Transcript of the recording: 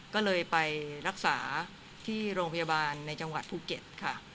ก็เลยไปรักษาที่โรงพยาบาลในจังหวัดภูเก็ตค่ะ